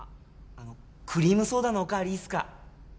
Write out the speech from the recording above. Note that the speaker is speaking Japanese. あのクリームソーダのお代わりいいっすか？